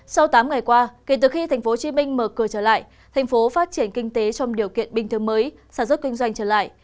sau tám ngày qua kể từ khi tp hcm mở cửa trở lại thành phố phát triển kinh tế trong điều kiện bình thường mới sản xuất kinh doanh trở lại